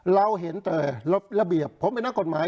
เราเห็นแต่ระเบียบผมเป็นนักกฎหมาย